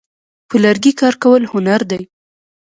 په لرګي کار کول هنر دی.